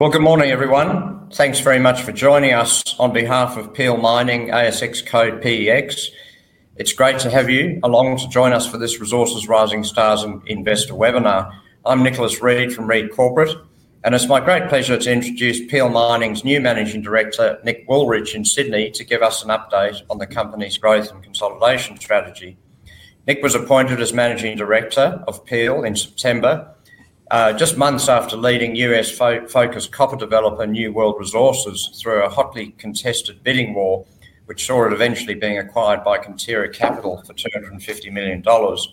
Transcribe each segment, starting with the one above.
Good morning, everyone. Thanks very much for joining us on behalf of Peel Mining ASX Code PEX. It's great to have you along to join us for this Resources Rising Stars Investor webinar. I'm Nicholas Read from Read Corporate, and it's my great pleasure to introduce Peel Mining's new Managing Director, Nick Woolrych, in Sydney to give us an update on the company's growth and consolidation strategy. Nick was appointed as Managing Director of Peel in September, just months after leading US-focused copper developer New World Resources through a hotly contested bidding war, which saw it eventually being acquired by Kinterra Capital for 250 million dollars.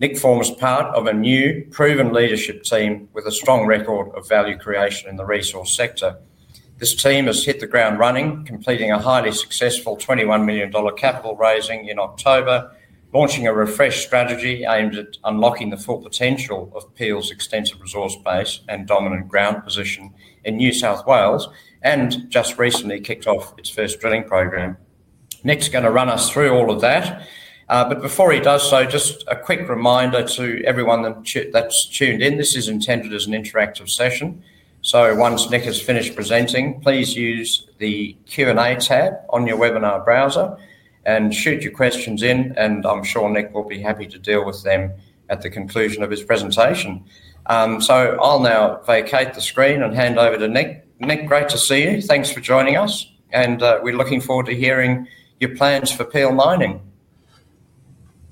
Nick forms part of a new, proven leadership team with a strong record of value creation in the resource sector. This team has hit the ground running, completing a highly successful 21 million dollar capital raising in October, launching a refreshed strategy aimed at unlocking the full potential of Peel's extensive resource base and dominant ground position in New South Wales, and just recently kicked off its first drilling program. Nick's going to run us through all of that. Before he does so, just a quick reminder to everyone that's tuned in: this is intended as an interactive session. Once Nick has finished presenting, please use the Q&A tab on your webinar browser and shoot your questions in, and I'm sure Nick will be happy to deal with them at the conclusion of his presentation. I'll now vacate the screen and hand over to Nick. Nick, great to see you. Thanks for joining us, and we're looking forward to hearing your plans for Peel Mining.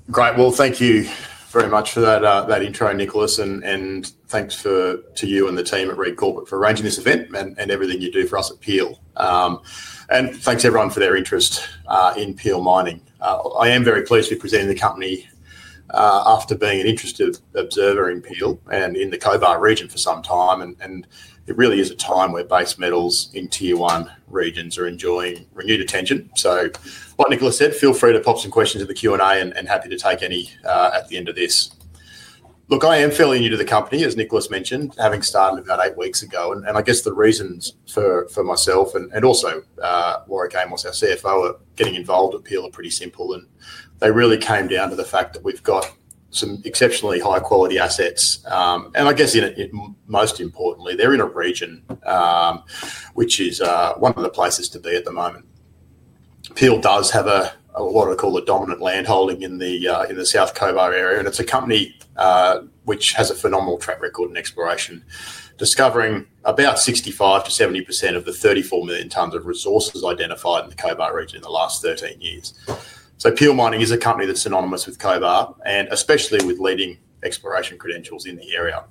Great. Thank you very much for that intro, Nicholas, and thanks to you and the team at Read Corporate for arranging this event and everything you do for us at Peel. Thanks, everyone, for their interest in Peel Mining. I am very pleased to be presenting the company after being an interested observer in Peel and in the Cobar region for some time. It really is a time where base metals in tier one regions are enjoying renewed attention. Like Nicholas said, feel free to pop some questions in the Q&A, and happy to take any at the end of this. Look, I am fairly new to the company, as Nicholas mentioned, having started about eight weeks ago. I guess the reasons for myself and also Warwick Amos, our CFO, getting involved with Peel are pretty simple. They really came down to the fact that we've got some exceptionally high-quality assets. I guess most importantly, they're in a region which is one of the places to be at the moment. Peel does have what I call a dominant landholding in the South Cobar area, and it's a company which has a phenomenal track record in exploration, discovering about 65%-70% of the 34 million tonnes of resources identified in the Cobar region in the last 13 years. Peel Mining is a company that's synonymous with Cobar, and especially with leading exploration credentials in the area.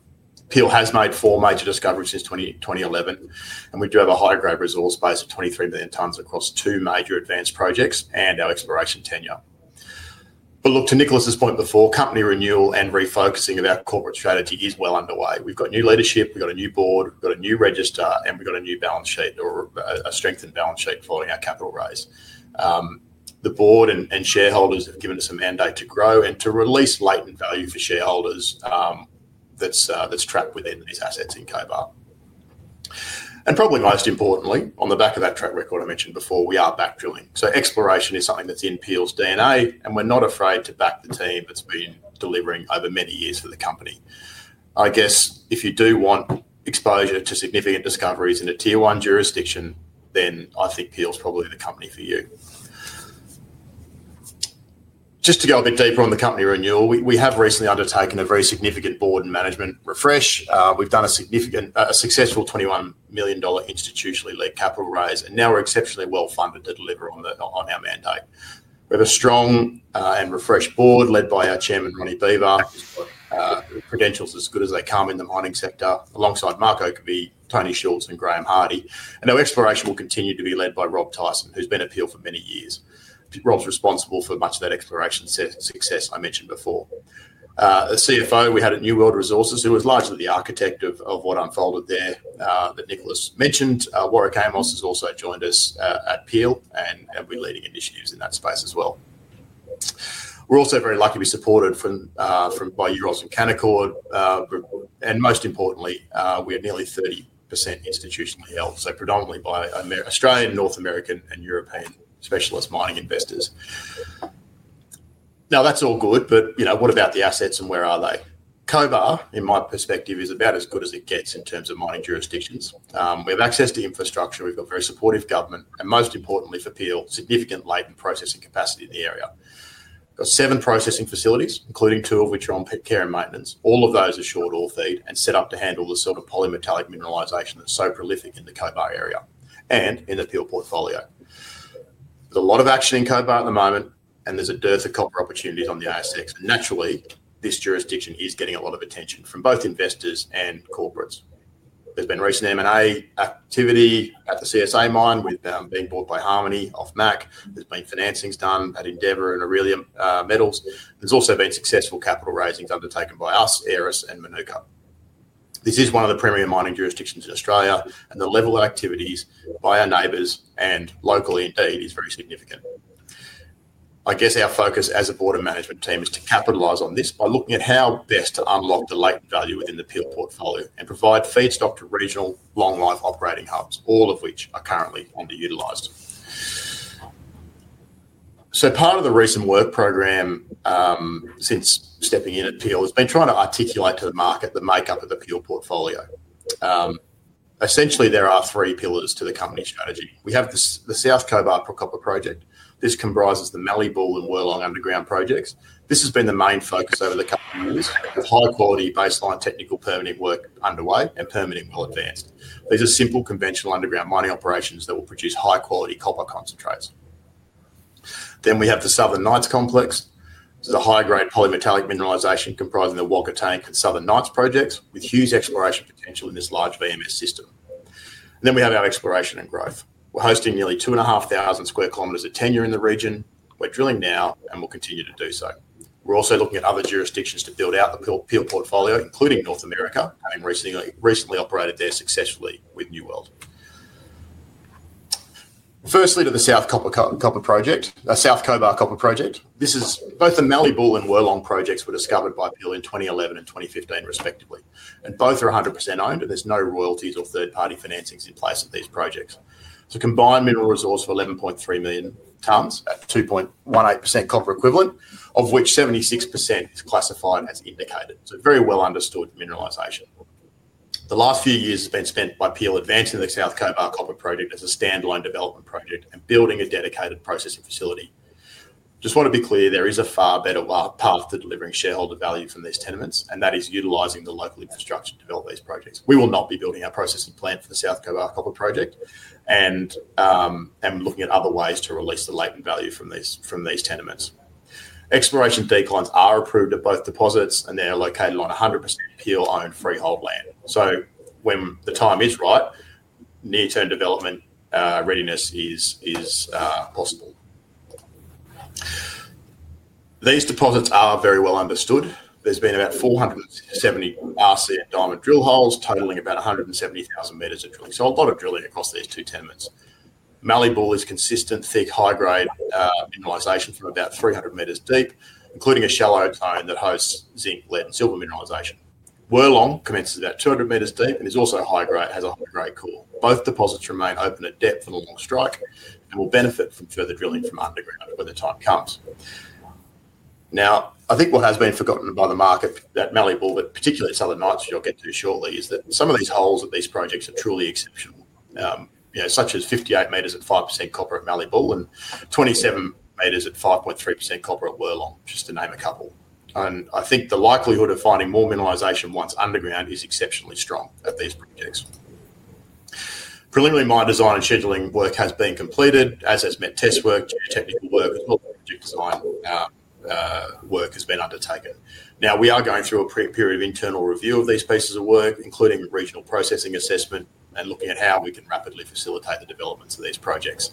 Peel has made four major discoveries since 2011, and we do have a high-grade resource base of 23 million tonnes across two major advanced projects and our exploration tenure. To Nicholas's point before, company renewal and refocusing of our corporate strategy is well underway. We've got new leadership, we've got a new board, we've got a new register, and we've got a new balance sheet, or a strengthened balance sheet following our capital raise. The board and shareholders have given us a mandate to grow and to release latent value for shareholders that's trapped within these assets in Cobar. Probably most importantly, on the back of that track record I mentioned before, we are back drilling. Exploration is something that's in Peel's DNA, and we're not afraid to back the team that's been delivering over many years for the company. I guess if you do want exposure to significant discoveries in a tier one jurisdiction, then I think Peel's probably the company for you. Just to go a bit deeper on the company renewal, we have recently undertaken a very significant board and management refresh. We've done a significant, a successful 21 million dollar institutionally-led capital raise, and now we're exceptionally well funded to deliver on our mandate. We have a strong and refreshed board led by our Chairman, Ronnie Beevor. Credentials as good as they come in the mining sector, alongside Mark Okeby, Tony Schultz, and Graham Hardie. Our exploration will continue to be led by Rob Tyson, who's been at Peel for many years. Rob's responsible for much of that exploration success I mentioned before. The CFO we had at New World Resources, who was largely the architect of what unfolded there that Nicholas mentioned, Warwick Amos, has also joined us at Peel, and we're leading initiatives in that space as well. We're also very lucky to be supported from U.S. by Canaccord. Most importantly, we are nearly 30% institutionally held, so predominantly by Australian and North American and European specialist mining investors. Now, that's all good, but what about the assets and where are they? Cobar, in my perspective, is about as good as it gets in terms of mining jurisdictions. We have access to infrastructure, we've got very supportive government, and most importantly for Peel, significant latent processing capacity in the area. We've got seven processing facilities, including two of which are on care and maintenance. All of those are short on feed and set up to handle the sort of polymetallic mineralisation that's so prolific in the Cobar area and in the Peel portfolio. There's a lot of action in Cobar at the moment, and there's a dearth of copper opportunities on the ASX. Naturally, this jurisdiction is getting a lot of attention from both investors and corporates. There's been recent M&A activity at the CSA mine with it being bought by Harmony off MAC. There's been financings done at Endeavour and Aurelia Metals. There's also been successful capital raisings undertaken by us, Aeris, and Manuka. This is one of the premier mining jurisdictions in Australia, and the level of activities by our neighbors and locally indeed is very significant. I guess our focus as a board of management team is to capitalize on this by looking at how best to unlock the latent value within the Peel portfolio and provide feedstock to regional long-life operating hubs, all of which are currently underutilized. Part of the recent work program since stepping in at Peel has been trying to articulate to the market the makeup of the Peel portfolio. Essentially, there are three pillars to the company strategy. We have the South Cobar copper project. This comprises the Mallee Bull and Wirlong underground projects. This has been the main focus over the couple of years. High-quality baseline technical permitting work underway and permitting will advance. These are simple conventional underground mining operations that will produce high-quality copper concentrates. We have the Southern Nights Complex. This is a high-grade polymetallic mineralisation comprising the Wagga Tank and Southern Nights projects with huge exploration potential in this large VMS system. We have our exploration and growth. We're hosting nearly 2,500 sq km of tenure in the region. We're drilling now and will continue to do so. We're also looking at other jurisdictions to build out the Peel portfolio, including North America, having recently operated there successfully with New World. Firstly, to the South Cobar Copper Project. This is both the Mallee Bull and Wirlong projects, which were discovered by Peel in 2011 and 2015, respectively. Both are 100% owned, and there's no royalties or third-party financings in place at these projects. It's a combined mineral resource of 11.3 million tonnes at 2.18% copper equivalent, of which 76% is classified as indicated. It's a very well-understood mineralisation. The last few years have been spent by Peel advancing the South Cobar Copper Project as a standalone development project and building a dedicated processing facility. Just want to be clear, there is a far better path to delivering shareholder value from these tenements, and that is utilising the local infrastructure to develop these projects. We will not be building our processing plant for the South Cobar Copper Project and looking at other ways to release the latent value from these tenements. Exploration declines are approved at both deposits, and they are located on 100% Peel-owned freehold land. When the time is right, near-term development readiness is possible. These deposits are very well understood. There's been about 470 RC and diamond drill holes totaling about 170,000 meters of drilling. So a lot of drilling across these two tenements. Mallee Bull is consistent, thick, high-grade mineralization from about 300 meters deep, including a shallow cone that hosts zinc, lead, and silver mineralization. Wirlong commences about 200 meters deep and is also high-grade, has a high-grade core. Both deposits remain open at depth and along strike and will benefit from further drilling from underground when the time comes. Now, I think what has been forgotten by the market at Mallee Bull, but particularly at Southern Nights, which I'll get to shortly, is that some of these holes at these projects are truly exceptional, such as 58 meters at 5% copper at Mallee Bull and 27 meters at 5.3% copper at Wirlong, just to name a couple. I think the likelihood of finding more mineralisation once underground is exceptionally strong at these projects. Preliminary design and scheduling work has been completed, as has met test work, technical work, as well as project design work has been undertaken. Now, we are going through a period of internal review of these pieces of work, including regional processing assessment and looking at how we can rapidly facilitate the developments of these projects.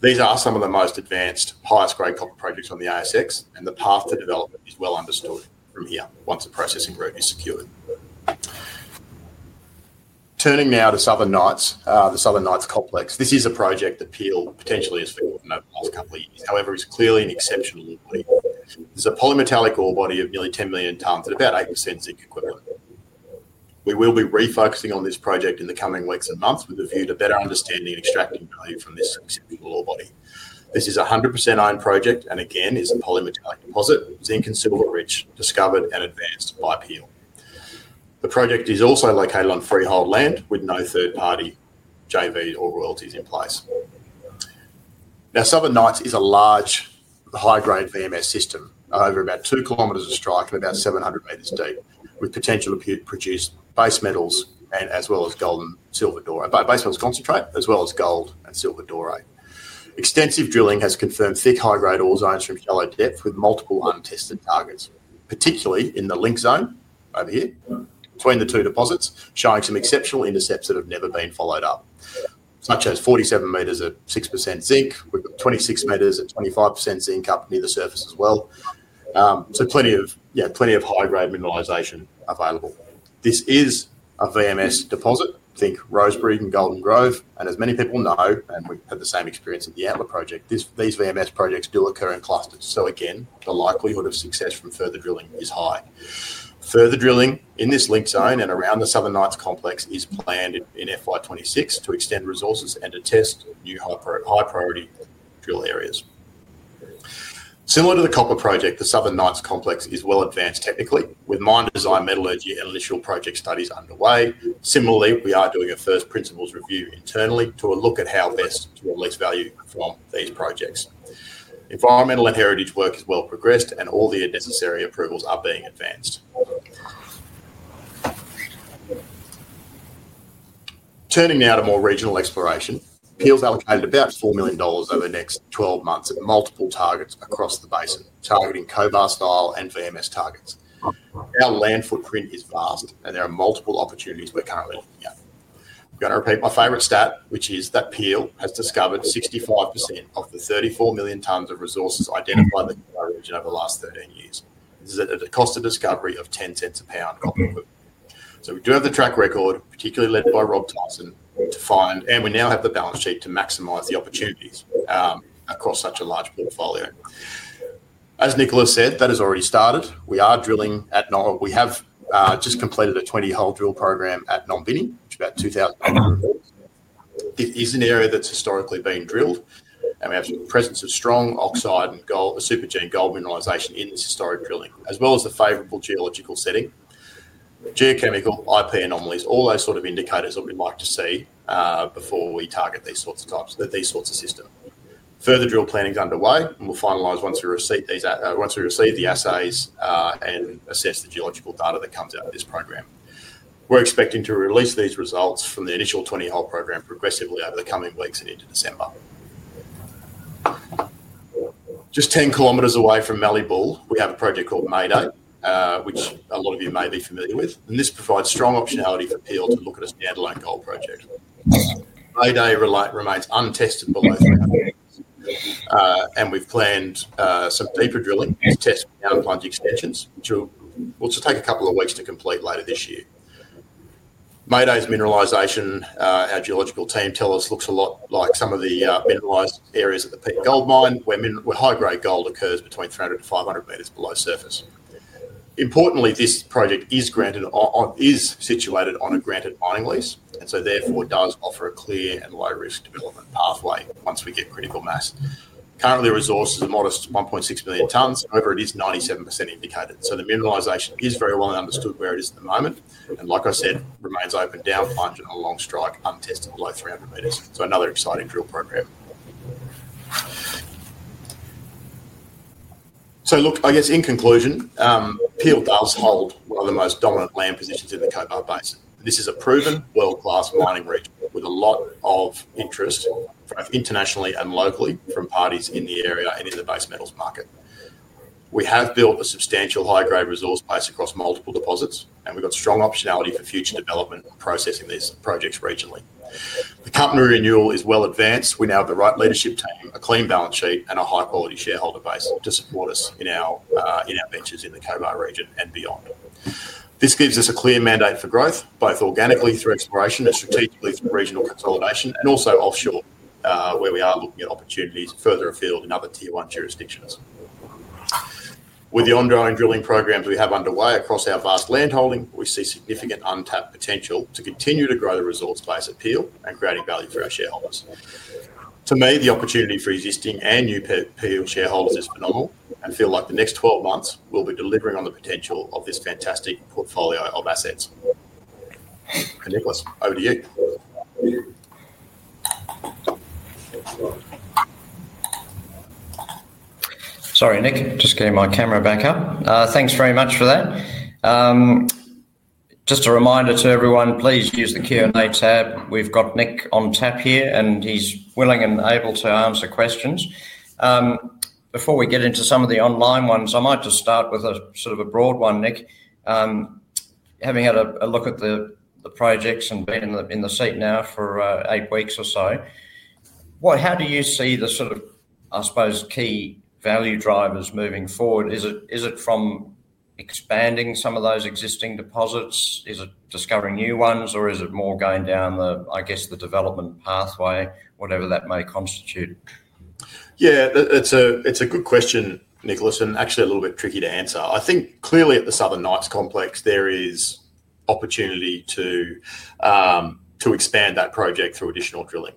These are some of the most advanced, highest-grade copper projects on the ASX, and the path to development is well understood from here once the processing group is secured. Turning now to Southern Nights, the Southern Nights Complex. This is a project that Peel potentially has failed in the last couple of years. However, it is clearly an exceptional ore body. There is a polymetallic ore body of nearly 10 million tonnes at about 8% zinc equivalent. We will be refocusing on this project in the coming weeks and months with a view to better understanding and extracting value from this exceptional ore body. This is a 100% owned project and, again, is a polymetallic deposit. Zinc and silver rich, discovered and advanced by Peel. The project is also located on freehold land with no third-party, JV or royalties in place. Now, Southern Nights is a large high-grade VMS system over about 2 km of strike and about 700 m deep, with potential to produce base metals as well as gold and silver, base metals concentrate, as well as gold and silver dore. Extensive drilling has confirmed thick, high-grade ores from shallow depth with multiple untested targets, particularly in the link zone over here between the two deposits, showing some exceptional intercepts that have never been followed up, such as 47 m at 6% zinc with 26 m at 25% zinc up near the surface as well. Plenty of high-grade mineralisation available. This is a VMS deposit. Think [Rosebreed] and Golden Grove. As many people know, and we've had the same experience at the Antler project, these VMS projects do occur in clusters. The likelihood of success from further drilling is high. Further drilling in this link zone and around the Southern Nights Complex is planned in FY 2026 to extend resources and attest new high-priority drill areas. Similar to the Cobar Project, the Southern Nights Complex is well advanced technically, with mine design, metallurgy, and initial project studies underway. Similarly, we are doing a first principles review internally to look at how best to release value from these projects. Environmental and heritage work has well progressed, and all the necessary approvals are being advanced. Turning now to more regional exploration, Peel's allocated about 4 million dollars over the next 12 months at multiple targets across the basin, targeting Cobar style and VMS targets. Our land footprint is vast, and there are multiple opportunities we're currently looking at. I'm going to repeat my favorite stat, which is that Peel has discovered 65% of the 34 million tonnes of resources identified in the Cobar region over the last 13 years. This is at a cost of discovery of 0.10 a pound. We do have the track record, particularly led by Rob Tyson, to find, and we now have the balance sheet to maximize the opportunities across such a large portfolio. As Nicholas said, that has already started. We are drilling at Nombinnie. We have just completed a 20-hole drill program at Nombinnie, which is about 2,000 m. It is an area that's historically been drilled, and we have the presence of strong oxide and supergene gold mineralization in this historic drilling, as well as a favorable geological setting. Geochemical, IP anomalies, all those sort of indicators that we'd like to see before we target these sorts of systems. Further drill planning is underway, and we'll finalize once we receive the assays and assess the geological data that comes out of this program. We're expecting to release these results from the initial 20-hole program progressively over the coming weeks and into December. Just 10 km away from Mallee Bull, we have a project called May Day, which a lot of you may be familiar with. This provides strong optionality for Peel to look at a standalone gold project. May Day remains untested below 300 m, and we've planned some deeper drilling to test down plunge extensions, which will take a couple of weeks to complete later this year. May Day's mineralization, our geological team tell us, looks a lot like some of the mineralized areas at the Peak Gold Mine, where high-grade gold occurs between 300 m and 500 m below surface. Importantly, this project is situated on a granted mining lease, and therefore does offer a clear and low-risk development pathway once we get critical mass. Currently, resources are modest at 1.6 million tonnes, however, it is 97% indicated. The mineralization is very well understood where it is at the moment, and like I said, remains open down plunge and along strike untested below 300 m. Another exciting drill program. I guess in conclusion, Peel does hold one of the most dominant land positions in the Cobar Basin. This is a proven world-class mining region with a lot of interest both internationally and locally from parties in the area and in the base metals market. We have built a substantial high-grade resource base across multiple deposits, and we've got strong optionality for future development processing these projects regionally. The company renewal is well advanced. We now have the right leadership team, a clean balance sheet, and a high-quality shareholder base to support us in our ventures in the Cobar region and beyond. This gives us a clear mandate for growth, both organically through exploration and strategically through regional consolidation, and also offshore where we are looking at opportunities further afield in other tier one jurisdictions. With the ongoing drilling programs we have underway across our vast land holding, we see significant untapped potential to continue to grow the resource base at Peel and creating value for our shareholders. To me, the opportunity for existing and new Peel shareholders is phenomenal. I feel like the next 12 months we'll be delivering on the potential of this fantastic portfolio of assets. Nicholas, over to you. Sorry, Nick, just getting my camera back up. Thanks very much for that. Just a reminder to everyone, please use the Q&A tab. We've got Nick on tap here, and he's willing and able to answer questions. Before we get into some of the online ones, I might just start with a sort of a broad one, Nick. Having had a look at the projects and being in the seat now for eight weeks or so, how do you see the sort of, I suppose, key value drivers moving forward? Is it from expanding some of those existing deposits? Is it discovering new ones, or is it more going down the, I guess, the development pathway, whatever that may constitute? Yeah, it's a good question, Nicholas, and actually a little bit tricky to answer. I think clearly at the Southern Nights Complex, there is opportunity to expand that project through additional drilling.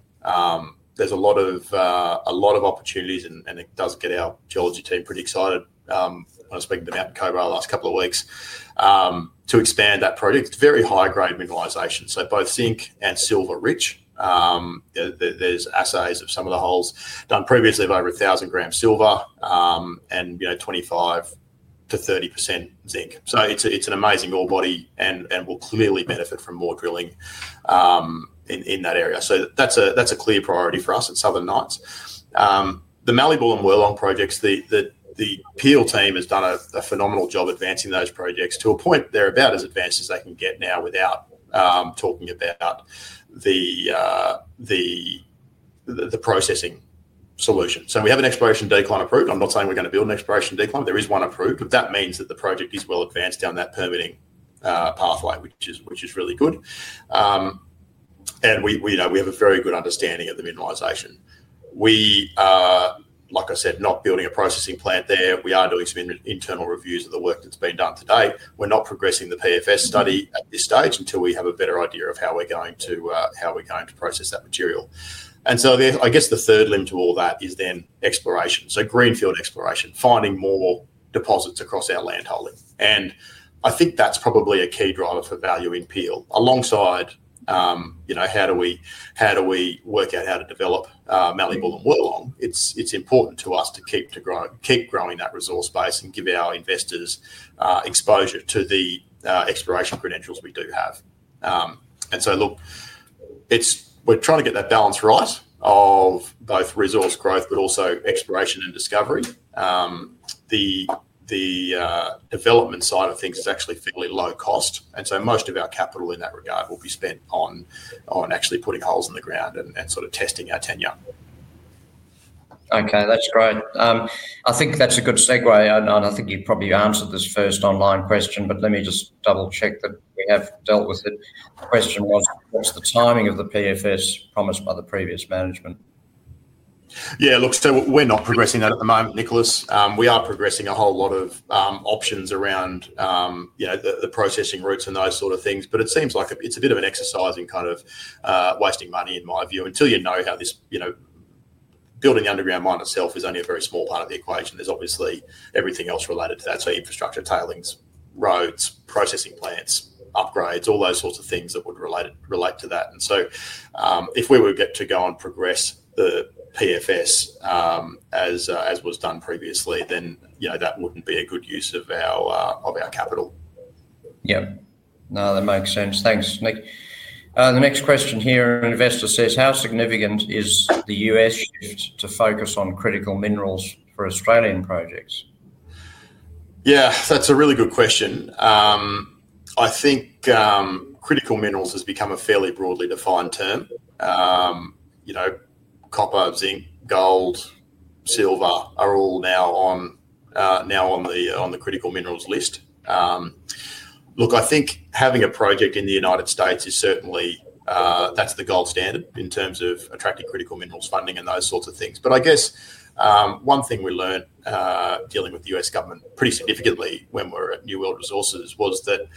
There's a lot of opportunities, and it does get our geology team pretty excited. I was speaking to the team the last couple of weeks to expand that project. It's very high-grade mineralisation, so both zinc and silver rich. There's assays of some of the holes done previously of over 1,000 g silver and 25%-30% zinc. It is an amazing ore body and will clearly benefit from more drilling in that area. That is a clear priority for us at Southern Nights. The Mallee Bull and Wirlong projects, the Peel team has done a phenomenal job advancing those projects to a point they're about as advanced as they can get now without talking about the processing solution. We have an exploration decline approved. I'm not saying we're going to build an exploration decline. There is one approved, but that means that the project is well advanced down that permitting pathway, which is really good. We have a very good understanding of the mineralisation. We are, like I said, not building a processing plant there. We are doing some internal reviews of the work that's been done to date. We're not progressing the PFS study at this stage until we have a better idea of how we're going to process that material. I guess the third limb to all that is then exploration. Greenfield exploration, finding more deposits across our land holding. I think that's probably a key driver for value in Peel. Alongside how do we work out how to develop Mallee Bull and Wirlong, it's important to us to keep growing that resource base and give our investors exposure to the exploration credentials we do have. We're trying to get that balance right of both resource growth, but also exploration and discovery. The development side of things is actually fairly low cost, and so most of our capital in that regard will be spent on actually putting holes in the ground and sort of testing our tenure. Okay, that's great. I think that's a good segue. I think you probably answered this first online question, but let me just double-check that we have dealt with it. The question was, what's the timing of the PFS promised by the previous management? Yeah, look, we are not progressing that at the moment, Nicholas. We are progressing a whole lot of options around the processing routes and those sort of things, but it seems like it's a bit of an exercise in kind of wasting money, in my view, until you know how this building the underground mine itself is only a very small part of the equation. There's obviously everything else related to that, so infrastructure, tailings, roads, processing plants, upgrades, all those sorts of things that would relate to that. If we were to go and progress the PFS as was done previously, that would not be a good use of our capital. Yep. No, that makes sense. Thanks, Nick. The next question here, an investor says, how significant is the U.S. shift to focus on critical minerals for Australian projects? Yeah, that's a really good question. I think critical minerals has become a fairly broadly defined term. Copper, zinc, gold, silver are all now on the critical minerals list. Look, I think having a project in the United States is certainly the gold standard in terms of attracting critical minerals funding and those sorts of things. I guess one thing we learned dealing with the U.S. government pretty significantly when we were at New World Resources was that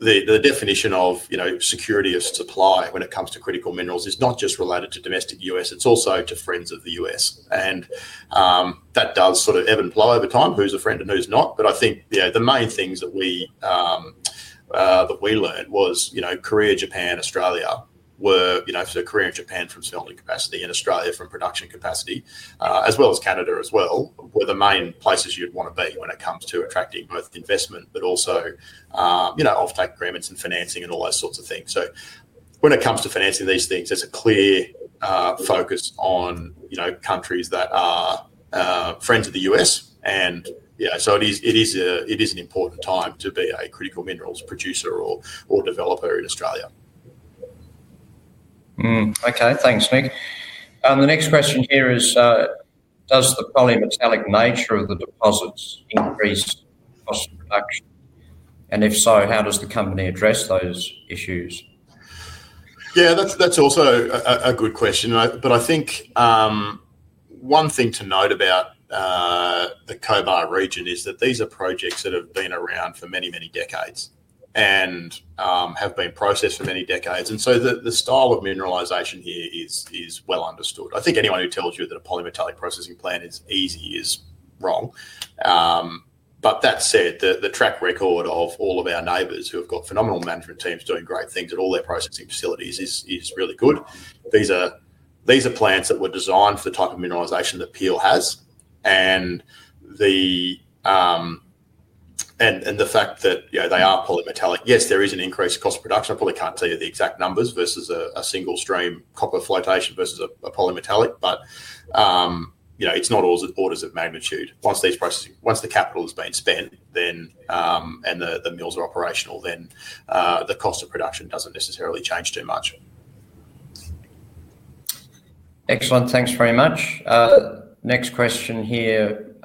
the definition of security of supply when it comes to critical minerals is not just related to domestic U.S., it is also to friends of the U.S. That does sort of ebb and flow over time, who is a friend and who is not. I think the main things that we learned were Korea, Japan, Australia—so Korea and Japan from selling capacity and Australia from production capacity, as well as Canada as well—were the main places you would want to be when it comes to attracting both investment, but also offtake agreements and financing and all those sorts of things. When it comes to financing these things, there is a clear focus on countries that are friends of the U.S. It is an important time to be a critical minerals producer or developer in Australia. Okay, thanks, Nick. The next question here is, does the polymetallic nature of the deposits increase cost production? And if so, how does the company address those issues? Yeah, that's also a good question. I think one thing to note about the Cobar region is that these are projects that have been around for many, many decades and have been processed for many decades. The style of mineralisation here is well understood. I think anyone who tells you that a polymetallic processing plant is easy is wrong. That said, the track record of all of our neighbors who have got phenomenal management teams doing great things at all their processing facilities is really good. These are plants that were designed for the type of mineralisation that Peel has. The fact that they are polymetallic, yes, there is an increased cost production. I probably can't tell you the exact numbers versus a single-stream copper flotation versus a polymetallic, but it's not orders of magnitude. Once the capital has been spent and the mills are operational, then the cost of production doesn't necessarily change too much. Excellent. Thanks very much. Next question here.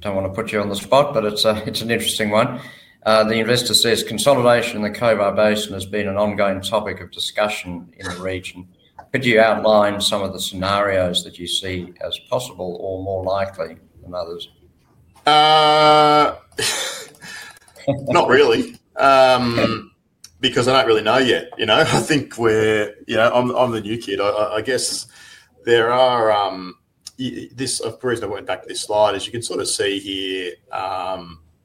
Don't want to put you on the spot, but it's an interesting one. The investor says, consolidation in the Cobar Basin has been an ongoing topic of discussion in the region. Could you outline some of the scenarios that you see as possible or more likely than others? Not really, because I don't really know yet. I think I'm the new kid. I guess there are this I've bruised my word back to this slide. As you can sort of see here,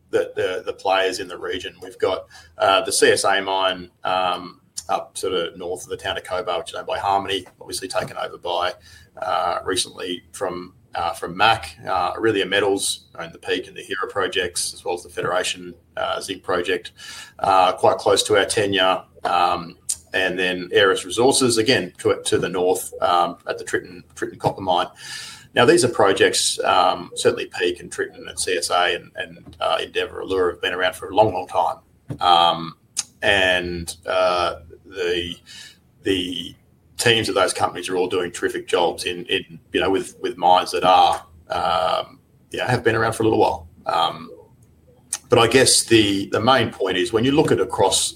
the players in the region, we've got the CSA mine up to the north of the town of Cobar, which is owned by Harmony Gold, obviously taken over recently from MAC. Aurelia Metals own the Peak and the Hera projects, as well as the Federation Zinc project, quite close to our tenure. Then Aeris Resources, again, to the north at the Tritton Copper Mine. Now, these are projects, certainly Peak and Tritton and CSA and Endeavour, that have been around for a long, long time. The teams of those companies are all doing terrific jobs with mines that have been around for a little while. I guess the main point is when you look across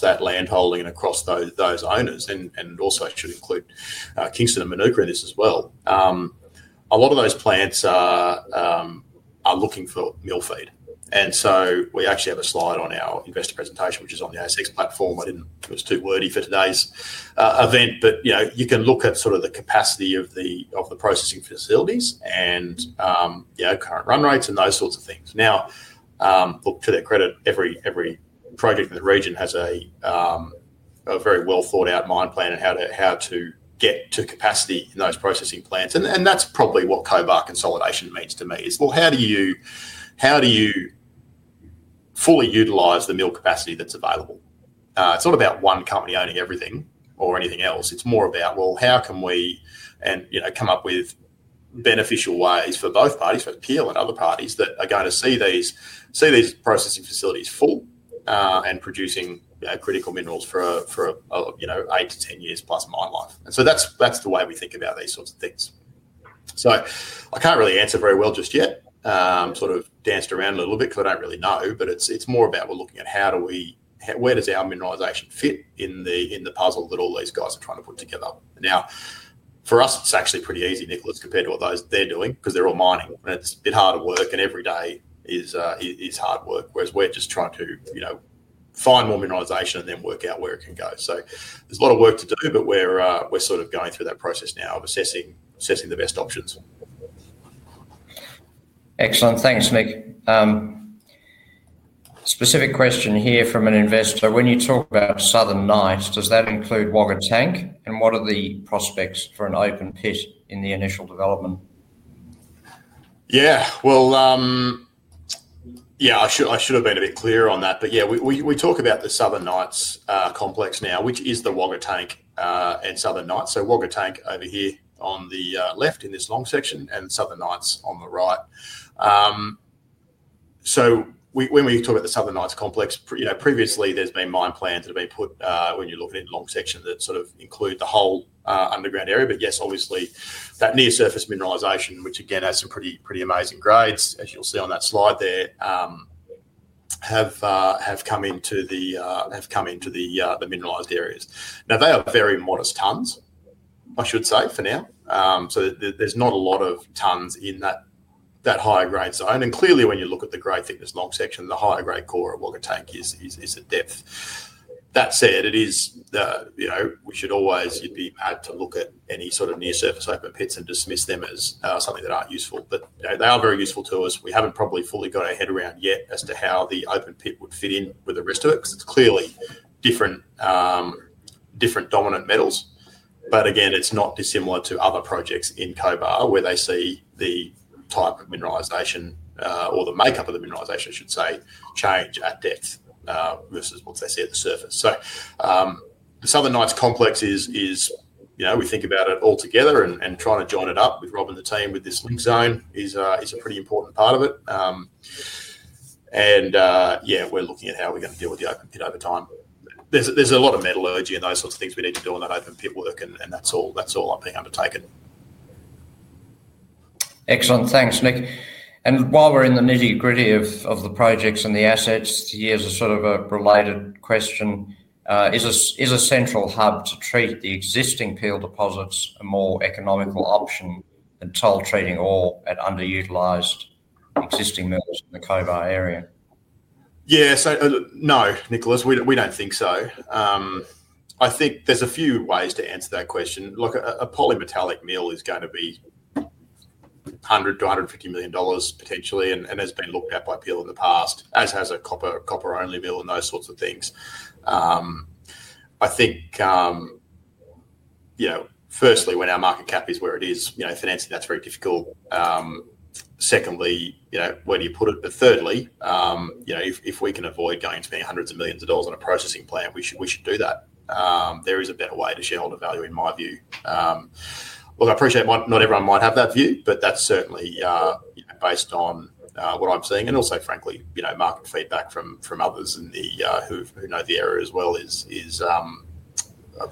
that land holding and across those owners, and also it should include Kingston and Manuka in this as well, a lot of those plants are looking for mill feed. We actually have a slide on our investor presentation, which is on the ASX platform. It was too wordy for today's event, but you can look at the capacity of the processing facilities and current run rates and those sorts of things. Now, to their credit, every project in the region has a very well thought out mine plan and how to get to capacity in those processing plants. That is probably what Cobar consolidation means to me, is how do you fully utilize the mill capacity that is available? It is not about one company owning everything or anything else, it is more about, well, how can we come up with beneficial ways for both parties, for Peel and other parties that are going to see these processing facilities full and producing critical minerals for 8-10 years plus mine life. That is the way we think about these sorts of things. I cannot really answer very well just yet. Sort of danced around a little bit because I do not really know, but it is more about we are looking at how do we, where does our mineralisation fit in the puzzle that all these guys are trying to put together. Now, for us, it is actually pretty easy, Nicholas, compared to what they are doing because they are all mining. It is a bit harder work, and every day is hard work, whereas we are just trying to find more mineralisation and then work out where it can go. There is a lot of work to do, but we are sort of going through that process now of assessing the best options. Excellent. Thanks, Nick. Specific question here from an investor. When you talk about Southern Nights, does that include Wagga Tank? And what are the prospects for an open pit in the initial development? Yeah, I should have been a bit clearer on that. We talk about the Southern Nights Complex now, which is the Wagga Tank and Southern Nights. Wagga Tank over here on the left in this long section and Southern Nights on the right. When we talk about the Southern Nights Complex, previously there have been mine plans that have been put, when you look at it in long section, that sort of include the whole underground area. Yes, obviously, that near-surface mineralisation, which again has some pretty amazing grades, as you'll see on that slide there, have come into the mineralised areas. Now, they are very modest tons, I should say, for now. So there's not a lot of tons in that higher grade zone. Clearly, when you look at the grade thickness long section, the higher grade core of Wagga Tank is at depth. That said, we should not always be able to look at any sort of near-surface open pits and dismiss them as something that are not useful. They are very useful to us. We have not probably fully got our head around yet as to how the open pit would fit in with the rest of it because it is clearly different dominant metals. Again, it's not dissimilar to other projects in Cobar where they see the type of mineralisation or the makeup of the mineralisation, I should say, change at depth versus what they see at the surface. The Southern Nights Complex is, we think about it all together and trying to join it up with Rob and the team with this link zone, is a pretty important part of it. Yeah, we're looking at how we're going to deal with the open pit over time. There's a lot of metallurgy and those sorts of things we need to do on that open pit work, and that's all being undertaken. Excellent. Thanks, Nick. While we're in the nitty-gritty of the projects and the assets, here's a sort of a related question. Is a central hub to treat the existing Peel deposits a more economical option than toll treating ore at underutilized existing mills in the Cobar area? Yeah. No, Nicholas, we do not think so. I think there are a few ways to answer that question. Look, a polymetallic mill is going to be 100 million-150 million dollars potentially and has been looked at by Peel in the past, as has a copper-only mill and those sorts of things. I think, firstly, when our market cap is where it is, financing that is very difficult. Secondly, where do you put it? Thirdly, if we can avoid going to be hundreds of millions of dollars on a processing plant, we should do that. There is a better way to shareholder value, in my view. I appreciate not everyone might have that view, but that is certainly based on what I am seeing. Also, frankly, market feedback from others who know the area as well is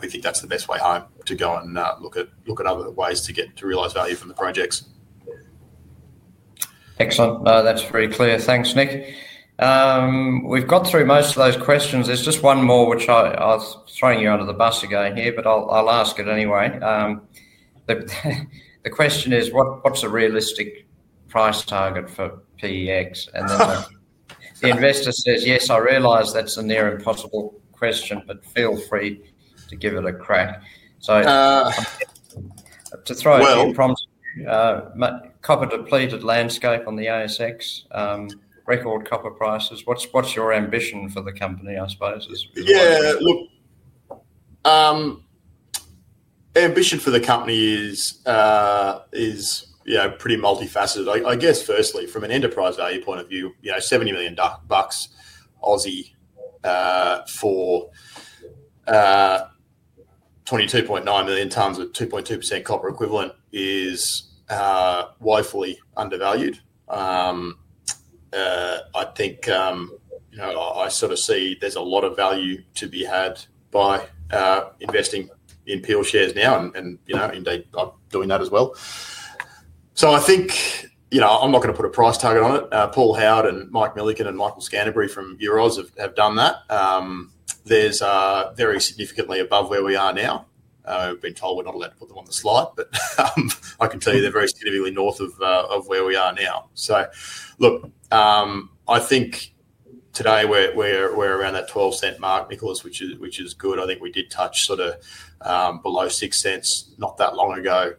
we think that's the best way home to go and look at other ways to get to realize value from the projects. Excellent. That's very clear. Thanks, Nick. We've gone through most of those questions. There's just one more which I was throwing you under the bus again here, but I'll ask it anyway. The question is, what's a realistic price target for PEX? And then the investor says, yes, I realize that's a near impossible question, but feel free to give it a crack. To throw a few prompts, copper-depleted landscape on the ASX, record copper prices. What's your ambition for the company, I suppose, is what I'm asking. Yeah. Look, ambition for the company is pretty multifaceted. I guess, firstly, from an enterprise value point of view, 70 million bucks for 22.9 million tons of 2.2% copper equivalent is woefully undervalued. I think I sort of see there's a lot of value to be had by investing in Peel shares now, and indeed, I'm doing that as well. I think I'm not going to put a price target on it. Paul Howard and Mike Millican and Michael Scanbury from Euros have done that. They're very significantly above where we are now. I've been told we're not allowed to put them on the slide, but I can tell you they're very significantly north of where we are now. I think today we're around that 0.12 mark, Nicholas, which is good. I think we did touch sort of below 0.06 not that long ago.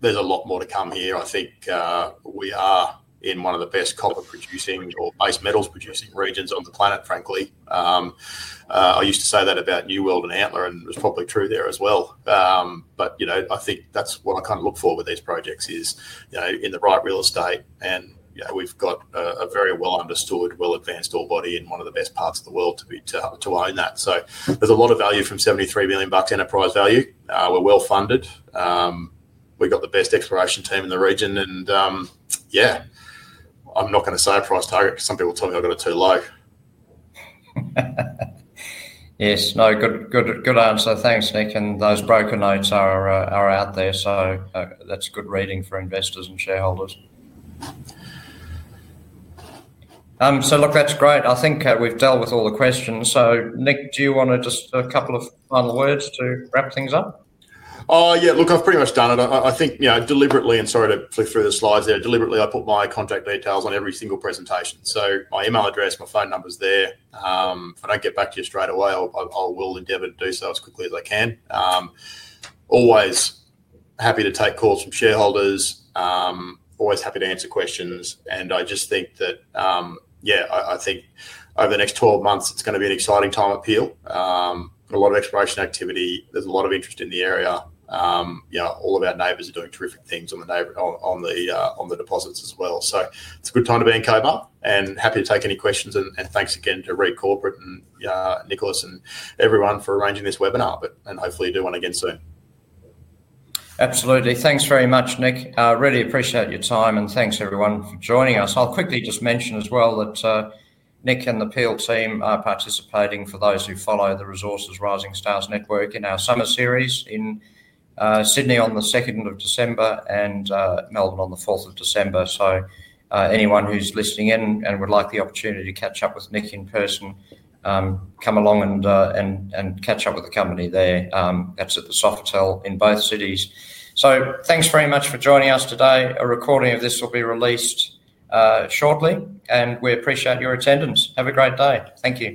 There's a lot more to come here. I think we are in one of the best copper-producing or base metals-producing regions on the planet, frankly. I used to say that about New World and Antler, and it was probably true there as well. I think that's what I kind of look for with these projects is in the right real estate. We have a very well-understood, well-advanced ore body in one of the best parts of the world to own that. There is a lot of value from 73 million bucks enterprise value. We are well funded. We have the best exploration team in the region. Yeah, I am not going to say a price target because some people tell me I have got it too low. Yes. No, good answer. Thanks, Nick. Those broker notes are out there, so that is good reading for investors and shareholders. Look, that is great. I think we've dealt with all the questions. So, Nick, do you want to just a couple of final words to wrap things up? Yeah. Look, I've pretty much done it. I think deliberately, and sorry to flick through the slides there, deliberately I put my contact details on every single presentation. So my email address, my phone number's there. If I don't get back to you straight away, I will endeavor to do so as quickly as I can. Always happy to take calls from shareholders, always happy to answer questions. And I just think that, yeah, I think over the next 12 months, it's going to be an exciting time at Peel. A lot of exploration activity. There's a lot of interest in the area. All of our neighbors are doing terrific things on the deposits as well. So it's a good time to be in Cobar. Happy to take any questions. Thanks again to Read Corporate and Nicholas and everyone for arranging this webinar, and hopefully do one again soon. Absolutely. Thanks very much, Nick. Really appreciate your time. Thanks, everyone, for joining us. I'll quickly just mention as well that Nick and the Peel team are participating, for those who follow, the Resources Rising Stars Network in our summer series in Sydney on the 2nd of December and Melbourne on the 4th of December. Anyone who's listening in and would like the opportunity to catch up with Nick in person, come along and catch up with the company there. That's at the Sofitel in both cities. Thanks very much for joining us today. A recording of this will be released shortly, and we appreciate your attendance. Have a great day. Thank you.